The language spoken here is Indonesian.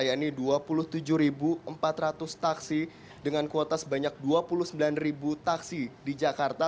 yaitu dua puluh tujuh empat ratus taksi dengan kuota sebanyak dua puluh sembilan taksi di jakarta